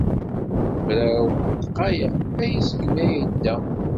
Mraw n ddqayeq aya segmi ay yedda.